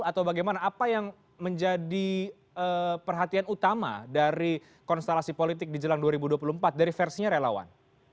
atau bagaimana apa yang menjadi perhatian utama dari konstelasi politik di jelang dua ribu dua puluh empat dari versinya relawan